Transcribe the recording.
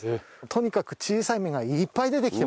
とにかく小さいのがいっぱい出てきてますんで。